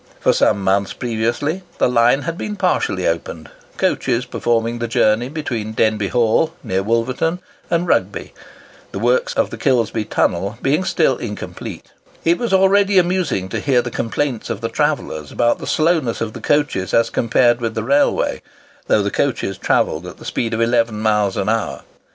For some months previously, the line had been partially opened, coaches performing the journey between Denbigh Hall (near Wolverton) and Rugby,—the works of the Kilsby tunnel being still incomplete. It was already amusing to hear the complaints of the travellers about the slowness of the coaches as compared with the railway, though the coaches travelled at the speed of eleven miles an hour.